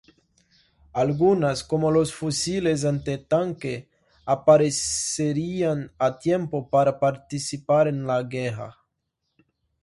Algunas, como los fusiles antitanque, aparecerían a tiempo para participar en la guerra.